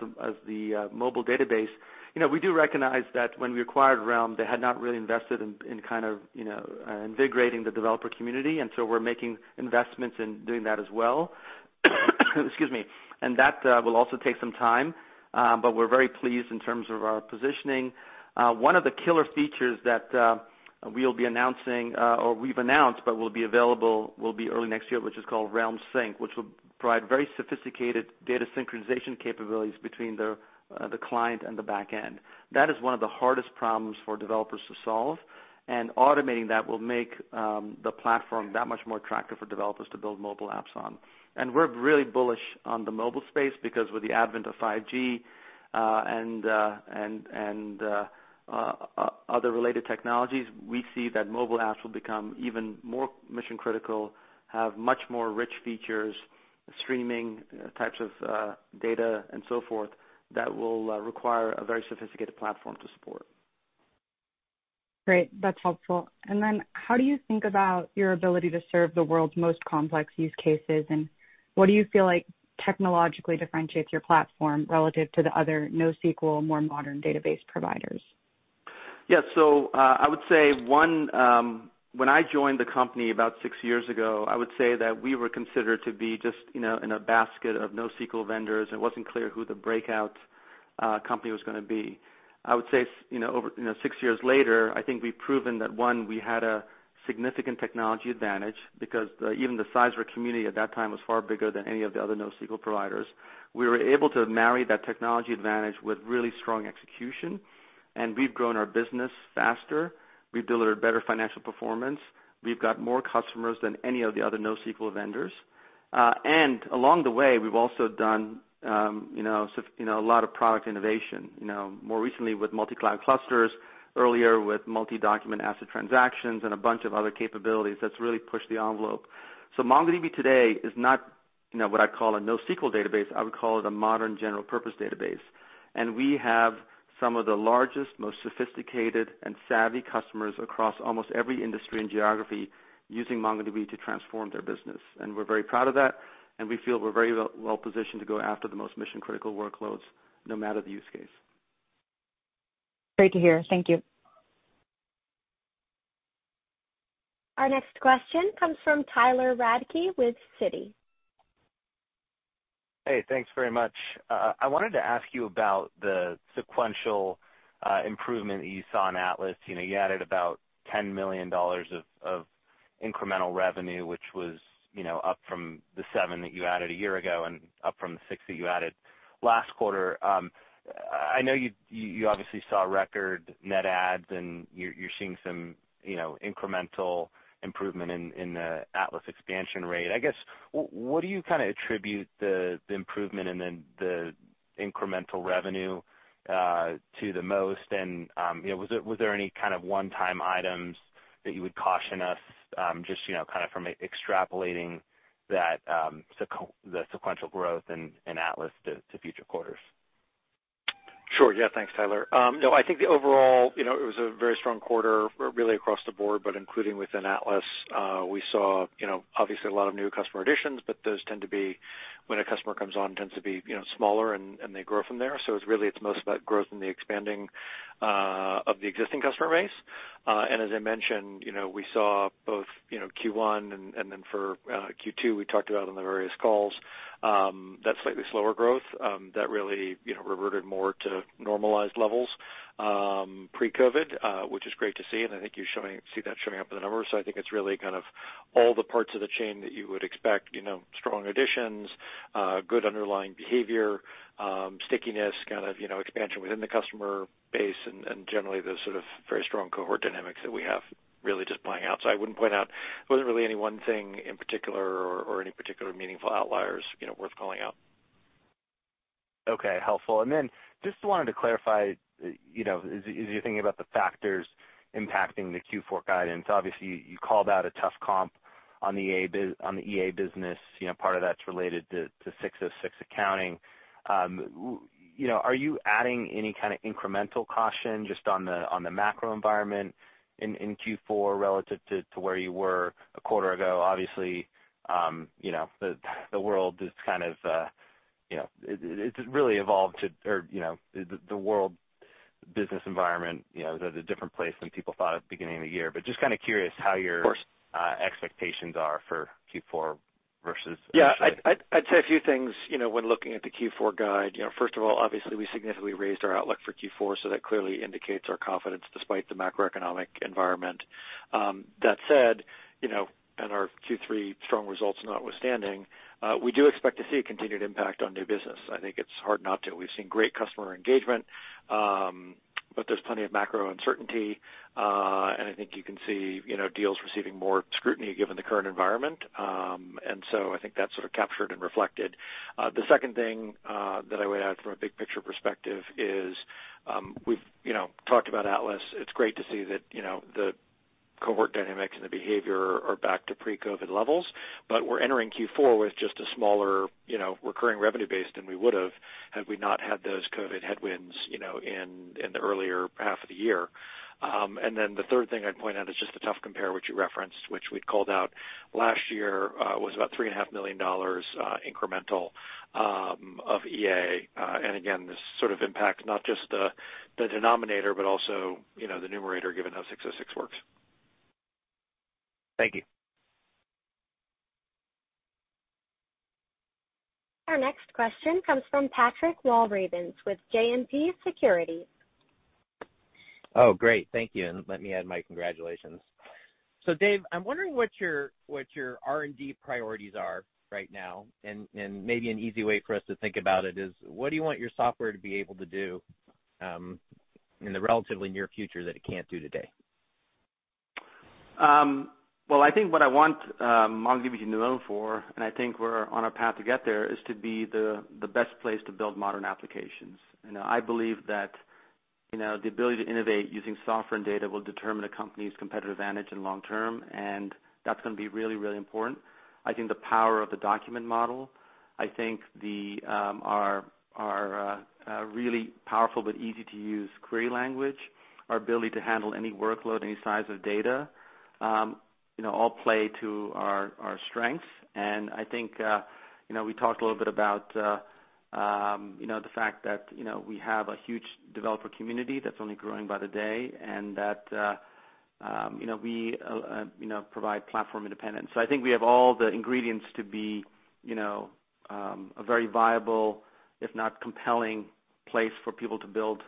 the mobile database, we do recognize that when we acquired Realm, they had not really invested in kind of invigorating the developer community, we're making investments in doing that as well. Excuse me. That will also take some time. We're very pleased in terms of our positioning. One of the killer features that we'll be announcing, or we've announced but will be available early next year, which is called Realm Sync, which will provide very sophisticated data synchronization capabilities between the client and the back end. That is one of the hardest problems for developers to solve, and automating that will make the platform that much more attractive for developers to build mobile apps on. We're really bullish on the mobile space because with the advent of 5G and other related technologies, we see that mobile apps will become even more mission-critical, have much more rich features, streaming types of data and so forth, that will require a very sophisticated platform to support. Great. That's helpful. How do you think about your ability to serve the world's most complex use cases, and what do you feel like technologically differentiates your platform relative to the other NoSQL, more modern database providers? I would say, one, when I joined the company about six years ago, I would say that we were considered to be just in a basket of NoSQL vendors, and it wasn't clear who the breakout company was going to be. I would say six years later, I think we've proven that, one, we had a significant technology advantage because even the size of our community at that time was far bigger than any of the other NoSQL providers. We were able to marry that technology advantage with really strong execution, we've grown our business faster. We've delivered better financial performance. We've got more customers than any of the other NoSQL vendors. Along the way, we've also done a lot of product innovation, more recently with multi-cloud clusters, earlier with multi-document ACID transactions and a bunch of other capabilities that's really pushed the envelope. MongoDB today is not what I'd call a NoSQL database. I would call it a modern general-purpose database. We have some of the largest, most sophisticated, and savvy customers across almost every industry and geography using MongoDB to transform their business. We're very proud of that, and we feel we're very well-positioned to go after the most mission-critical workloads, no matter the use case. Great to hear. Thank you. Our next question comes from Tyler Radke with Citi. Hey, thanks very much. I wanted to ask you about the sequential improvement that you saw in Atlas. You added about $10 million of incremental revenue, which was up from the $7 million that you added a year ago and up from the $6 million that you added last quarter. I know you obviously saw record net adds and you're seeing some incremental improvement in the Atlas expansion rate. I guess, what do you kind of attribute the improvement and then the incremental revenue to the most, and was there any kind of one-time items that you would caution us just from extrapolating the sequential growth in Atlas to future quarters? Sure. Yeah. Thanks, Tyler. No, I think the overall, it was a very strong quarter really across the board, but including within Atlas. We saw obviously a lot of new customer additions, but those, when a customer comes on, tends to be smaller and they grow from there. Really it's most about growth in the expanding of the existing customer base. As I mentioned, we saw both Q1 and then for Q2, we talked about on the various calls, that slightly slower growth that really reverted more to normalized levels pre-COVID-19, which is great to see, and I think you see that showing up in the numbers. I think it's really all the parts of the chain that you would expect, strong additions, good underlying behavior, stickiness, expansion within the customer base, and generally the very strong cohort dynamics that we have really just playing out. I wouldn't point out, it wasn't really any one thing in particular or any particular meaningful outliers worth calling out. Okay, helpful. Just wanted to clarify, as you're thinking about the factors impacting the Q4 guidance, obviously you called out a tough comp on the EA business. Part of that's related to 606 accounting. Are you adding any kind of incremental caution just on the macro environment in Q4 relative to where you were a quarter ago? Obviously, the world business environment is at a different place than people thought at the beginning of the year. Just curious how your– Of course. –expectations are for Q4 versus Yeah. I'd say a few things when looking at the Q4 guide. First of all, obviously we significantly raised our outlook for Q4, that clearly indicates our confidence despite the macroeconomic environment. That said, and our Q3 strong results notwithstanding, we do expect to see a continued impact on new business. I think it's hard not to. We've seen great customer engagement. There's plenty of macro uncertainty, and I think you can see deals receiving more scrutiny given the current environment. I think that's captured and reflected. The second thing that I would add from a big picture perspective is, we've talked about Atlas. It's great to see that the cohort dynamics and the behavior are back to pre-COVID levels. We're entering Q4 with just a smaller recurring revenue base than we would've, had we not had those COVID-19 headwinds in the earlier half of the year. The third thing I'd point out is just the tough compare which you referenced, which we'd called out last year was about $3.5 million incremental of EA. Again, this sort of impacts not just the denominator, but also the numerator, given how 606 works. Thank you. Our next question comes from Patrick Walravens with JMP Securities. Oh, great. Thank you, and let me add my congratulations. Dev, I'm wondering what your R&D priorities are right now, and maybe an easy way for us to think about it is, what do you want your software to be able to do in the relatively near future that it can't do today? Well, I think what I want MongoDB to be known for, I think we're on a path to get there, is to be the best place to build modern applications. I believe that the ability to innovate using software and data will determine a company's competitive advantage in long term, and that's going to be really important. I think the power of the document model, I think our really powerful but easy-to-use query language, our ability to handle any workload, any size of data all play to our strengths. I think we talked a little bit about the fact that we have a huge developer community that's only growing by the day, and that we provide platform independence. I think we have all the ingredients to be a very viable, if not compelling, place for people to build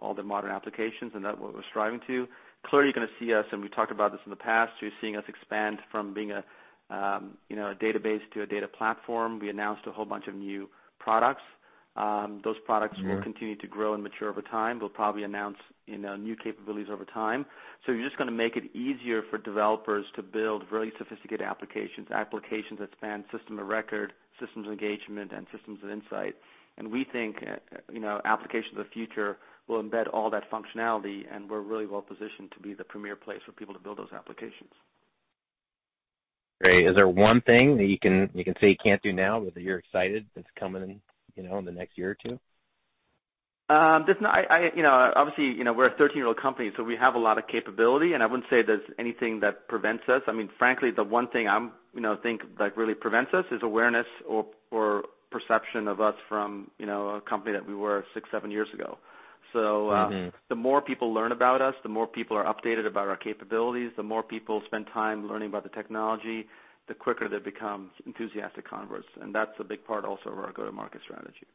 all their modern applications, and that's what we're striving to. Clearly, you're going to see us, and we've talked about this in the past, you're seeing us expand from being a database to a data platform. We announced a whole bunch of new products. Those products will continue to grow and mature over time. We'll probably announce new capabilities over time. You're just going to make it easier for developers to build really sophisticated applications that span system of record, systems of engagement, and systems of insight. We think applications of the future will embed all that functionality, and we're really well positioned to be the premier place for people to build those applications. Great. Is there one thing that you can say you can't do now, but that you're excited that's coming in the next year or two? We're a 13-year-old company. We have a lot of capability. I wouldn't say there's anything that prevents us. Frankly, the one thing I think that really prevents us is awareness or perception of us from a company that we were six, seven years ago. The more people learn about us, the more people are updated about our capabilities, the more people spend time learning about the technology, the quicker they become enthusiastic converts. That's a big part also of our go-to-market strategy.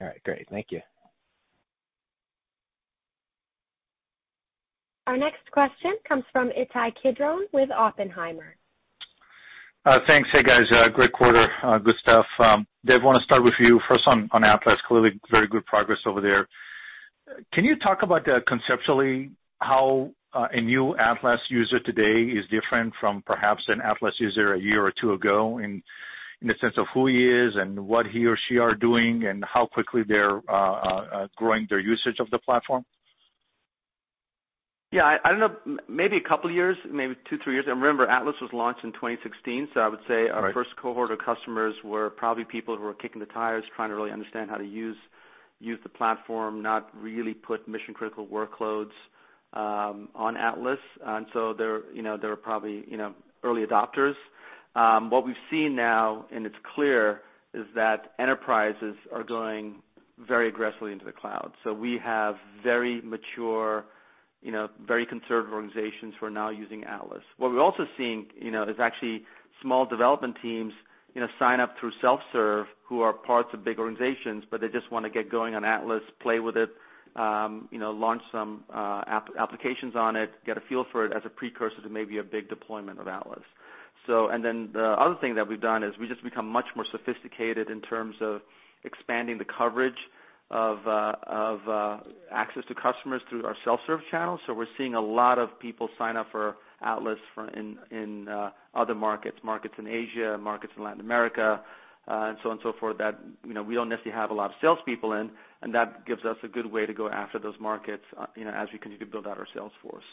All right, great. Thank you. Our next question comes from Ittai Kidron with Oppenheimer. Thanks. Hey, guys. Great quarter. Good stuff. Dev, want to start with you first on Atlas. Clearly very good progress over there. Can you talk about conceptually how a new Atlas user today is different from perhaps an Atlas user a year or two ago in the sense of who he is and what he or she are doing, and how quickly they're growing their usage of the platform? I don't know, maybe a couple of years, maybe two, three years. Remember, Atlas was launched in 2016. I would say our first cohort of customers were probably people who were kicking the tires, trying to really understand how to use the platform, not really put mission-critical workloads on Atlas. They were probably early adopters. What we've seen now, and it's clear, is that enterprises are going very aggressively into the cloud. We have very mature, very conservative organizations who are now using Atlas. What we're also seeing is actually small development teams sign up through self-serve who are parts of big organizations, but they just want to get going on Atlas, play with it, launch some applications on it, get a feel for it as a precursor to maybe a big deployment of Atlas. The other thing that we've done is we've just become much more sophisticated in terms of expanding the coverage of access to customers through our self-serve channel. We're seeing a lot of people sign up for Atlas in other markets in Asia, markets in Latin America, and so on and so forth, that we don't necessarily have a lot of salespeople in, and that gives us a good way to go after those markets as we continue to build out our sales force.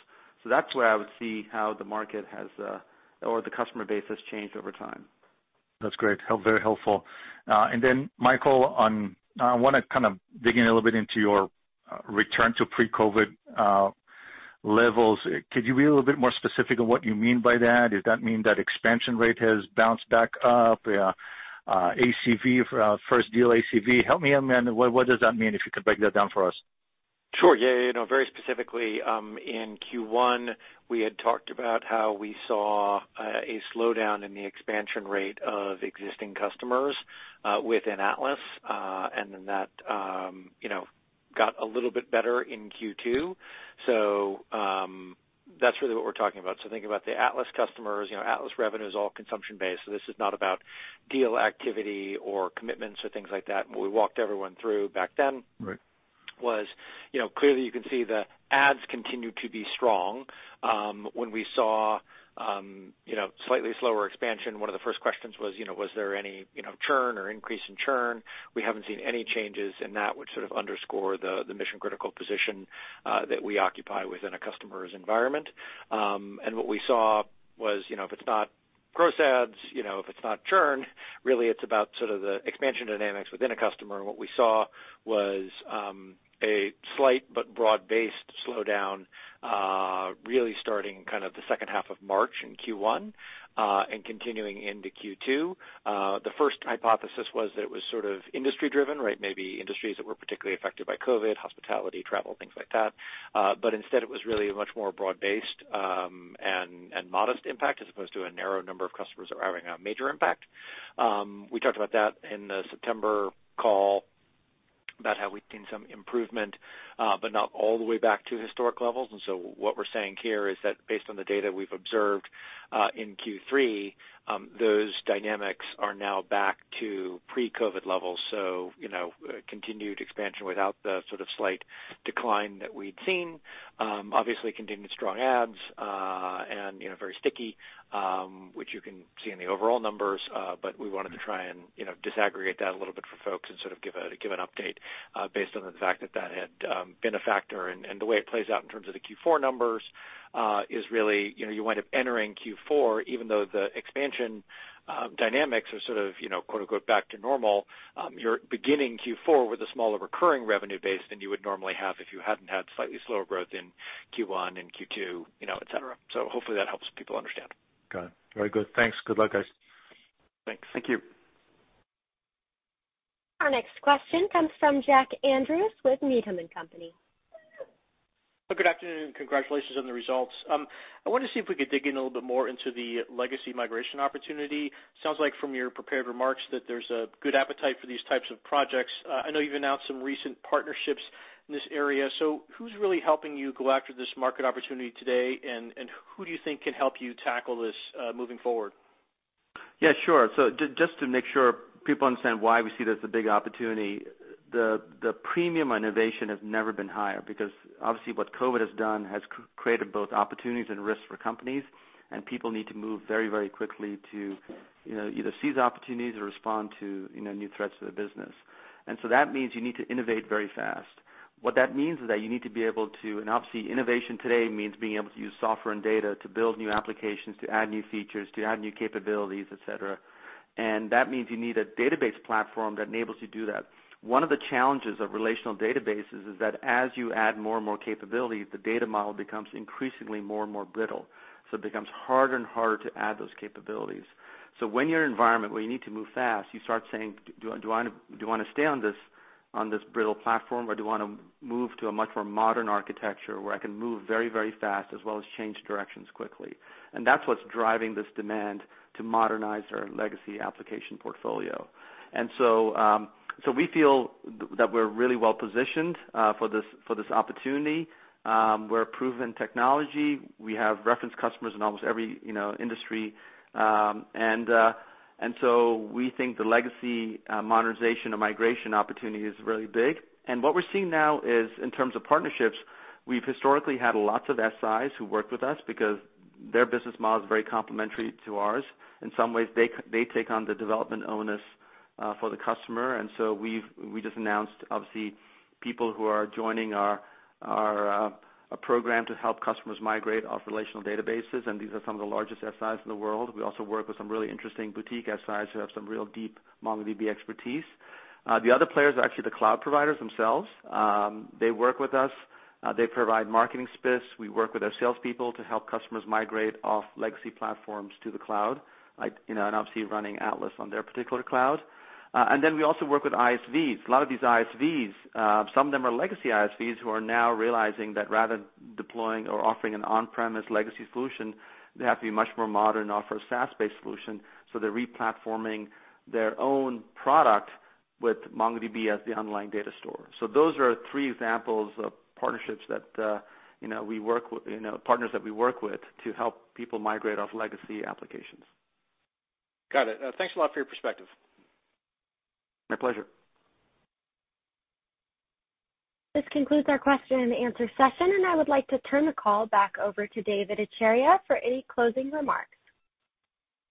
That's where I would see how the market has, or the customer base has changed over time. That's great. Very helpful. Michael, I want to kind of dig in a little bit into your return to pre-COVID levels. Could you be a little bit more specific on what you mean by that? Does that mean that expansion rate has bounced back up? ACV, first deal ACV. Help me out, man. What does that mean, if you could break that down for us? Sure. Yeah. Very specifically, in Q1, we had talked about how we saw a slowdown in the expansion rate of existing customers within Atlas. That got a little bit better in Q2. That's really what we're talking about. Think about the Atlas customers. Atlas revenue is all consumption-based, so this is not about deal activity or commitments or things like that. What we walked everyone through back then– Right –was clearly you can see the adds continued to be strong. When we saw slightly slower expansion, one of the first questions was, Was there any churn or increase in churn? We haven't seen any changes in that, which sort of underscore the mission-critical position that we occupy within a customer's environment. What we saw was, if it's not gross adds, if it's not churn, really it's about sort of the expansion dynamics within a customer. What we saw was a slight but broad-based slowdown really starting kind of the second half of March in Q1 and continuing into Q2. The first hypothesis was that it was sort of industry-driven, right? Maybe industries that were particularly affected by COVID-19, hospitality, travel, things like that. Instead, it was really a much more broad-based and modest impact as opposed to a narrow number of customers that were having a major impact. We talked about that in the September call about how we'd seen some improvement but not all the way back to historic levels. What we're saying here is that based on the data we've observed in Q3, those dynamics are now back to pre-COVID-19 levels. Continued expansion without the sort of slight decline that we'd seen. Obviously continued strong adds and very sticky, which you can see in the overall numbers. We wanted to try and disaggregate that a little bit for folks and sort of give an update based on the fact that that had been a factor. The way it plays out in terms of the Q4 numbers is really you wind up entering Q4, even though the expansion dynamics are sort of "back to normal," you're beginning Q4 with a smaller recurring revenue base than you would normally have if you hadn't had slightly slower growth in Q1 and Q2, et cetera. Hopefully that helps people understand. Got it. Very good. Thanks. Good luck, guys. Thanks. Thank you. Our next question comes from Jack Andrews with Needham & Company. Good afternoon. Congratulations on the results. I wanted to see if we could dig in a little bit more into the legacy migration opportunity. Sounds like from your prepared remarks that there's a good appetite for these types of projects. I know you've announced some recent partnerships in this area. Who's really helping you go after this market opportunity today, and who do you think can help you tackle this moving forward? Yeah, sure. Just to make sure people understand why we see this as a big opportunity, the premium on innovation has never been higher because obviously what COVID-19 has done has created both opportunities and risks for companies, and people need to move very, very quickly to either seize opportunities or respond to new threats to their business. That means you need to innovate very fast. What that means is that you need to be able to use software and data to build new applications, to add new features, to add new capabilities, et cetera. That means you need a database platform that enables you to do that. One of the challenges of relational databases is that as you add more and more capabilities, the data model becomes increasingly more and more brittle. It becomes harder and harder to add those capabilities. When your environment, where you need to move fast, you start saying, "Do I want to stay on this brittle platform, or do I want to move to a much more modern architecture where I can move very, very fast as well as change directions quickly?" That's what's driving this demand to modernize our legacy application portfolio. We feel that we're really well positioned for this opportunity. We're a proven technology. We have reference customers in almost every industry. We think the legacy modernization and migration opportunity is really big. What we're seeing now is in terms of partnerships, we've historically had lots of SIs who worked with us because their business model is very complementary to ours. In some ways, they take on the development onus for the customer. We just announced, obviously, people who are joining our program to help customers migrate off relational databases, and these are some of the largest SIs in the world. We also work with some really interesting boutique SIs who have some real deep MongoDB expertise. The other players are actually the cloud providers themselves. They work with us. They provide marketing spiffs. We work with their salespeople to help customers migrate off legacy platforms to the cloud, and obviously running Atlas on their particular cloud. We also work with ISVs. A lot of these ISVs, some of them are legacy ISVs who are now realizing that rather than deploying or offering an on-premise legacy solution, they have to be much more modern and offer a SaaS-based solution. They're re-platforming their own product with MongoDB as the online data store. Those are three examples of partners that we work with to help people migrate off legacy applications. Got it. Thanks a lot for your perspective. My pleasure. This concludes our question-and-answer session, and I would like to turn the call back over to Dev Ittycheria for any closing remarks.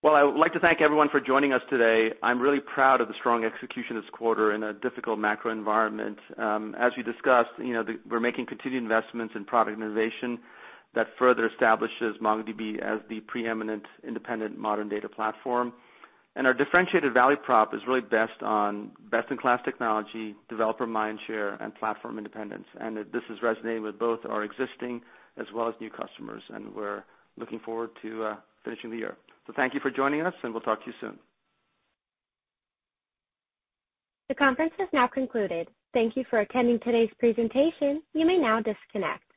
I would like to thank everyone for joining us today. I'm really proud of the strong execution this quarter in a difficult macro environment. As we discussed, we're making continued investments in product innovation that further establishes MongoDB as the preeminent independent modern data platform. Our differentiated value prop is really best on, best-in-class technology, developer mind share, and platform independence. This is resonating with both our existing as well as new customers, and we're looking forward to finishing the year. Thank you for joining us, and we'll talk to you soon. The conference has now concluded. Thank you for attending today's presentation. You may now disconnect.